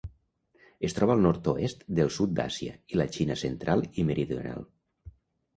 Es troba al nord-oest del sud d'Àsia i la Xina central i meridional.